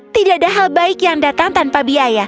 tidak ada hal baik yang datang tanpa biaya